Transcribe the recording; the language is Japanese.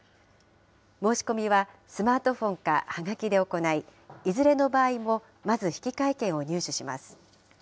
申し込みは、スマートフォンかはがきで行い、いずれの場合も、まず引換券を入手します。